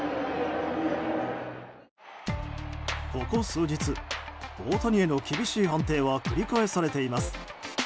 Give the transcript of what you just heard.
ここ数日、大谷への厳しい判定は繰り返されています。